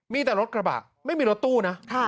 มีแต่รถกระบะไม่มีรถตู้นะ